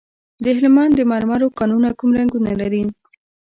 د هلمند د مرمرو کانونه کوم رنګونه لري؟